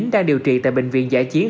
đang điều trị tại bệnh viện giải chiến